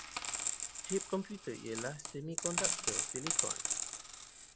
Cip komputer ialah semikonduktor silicon.